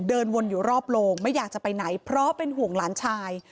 เดินวนอยู่รอบโลงไม่อยากจะไปไหนเพราะเป็นห่วงหลานชาย